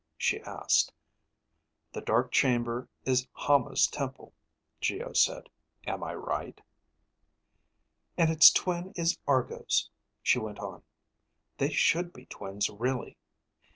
she asked. "The dark chamber is Hama's temple," Geo said. "Am I right?" "And it's twin is Argo's," she went on. "They should be twins, really.